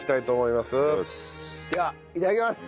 いただきます。